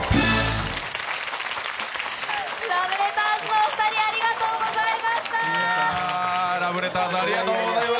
ラブレターズ、ありがとうございました。